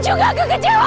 semua kematian ibuku